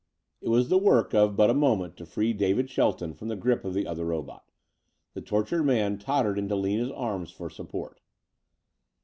It was the work of but a moment to free David Shelton from the grip of the other robot. The tortured man tottered into Lina's arms for support.